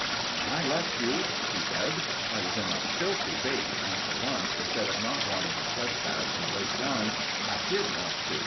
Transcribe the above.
"When I left you," he said, "I was in a filthy bate, and for once, instead of not wanting to trespass and break bounds, I did want to.